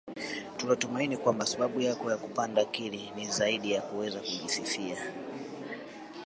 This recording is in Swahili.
Tunatumaini kwamba sababu yako ya kupanda Kili ni zaidi ya kuweza kujisifia